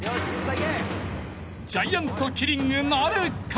［ジャイアントキリングなるか？］